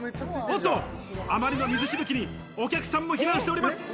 おっと、あまりの水しぶきにお客さんも避難しております。